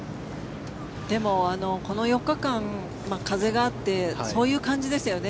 でもこの４日間風があってそういう感じですよね。